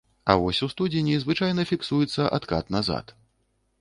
А вось у студзені звычайна фіксуецца адкат назад.